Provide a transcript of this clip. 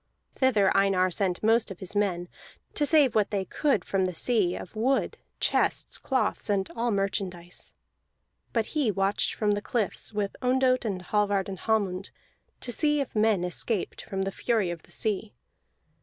Thither Einar sent most of his men, to save what they could from the sea, of wood, chests, cloths, and all merchandise. But he watched from the cliffs, with Ondott and Hallvard and Hallmund, to see if men escaped from the fury of the sea.